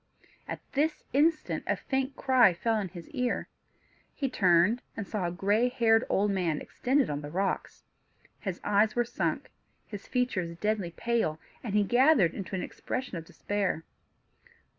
At this instant a faint cry fell on his ear. He turned, and saw a gray haired old man extended on the rocks. His eyes were sunk, his features deadly pale, and gathered into an expression of despair.